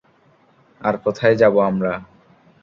আর কোথায় যাবো আমরা?